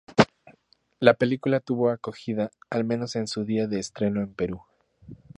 La película tuvo acogida, al menos en su día de estreno en Perú.